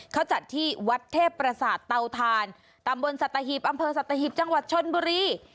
เขาจัดที่วัดเทพประสาทเตาทานตำบลสัตหีบอำเภอสัตหิบจังหวัดชนบุรี